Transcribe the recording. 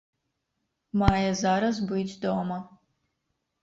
Мае зараз быць дома.